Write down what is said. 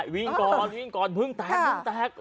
วิ่งก่อนวิ่งก่อนเพิ่งแตกเพิ่งแตก